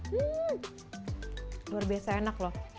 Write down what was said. luar biasa enak loh